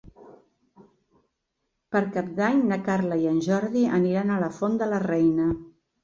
Per Cap d'Any na Carla i en Jordi aniran a la Font de la Reina.